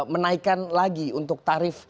menaikkan lagi untuk tarif